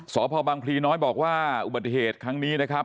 สพบังพลีน้อยบอกว่าอุบัติเหตุครั้งนี้นะครับ